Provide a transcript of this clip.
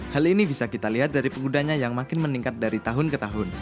hal ini bisa kita lihat dari penggunanya yang makin meningkat dari tahun ke tahun